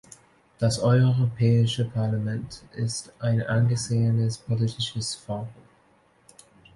Das Europäische Parlament ist ein angesehenes politisches Forum.